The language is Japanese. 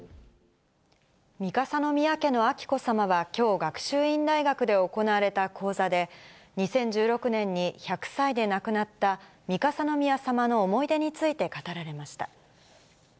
三笠宮家の彬子さまは、きょう、学習院大学で行われた講座で、２０１６年に１００歳で亡くなった、三笠宮さまの思い出について語られました。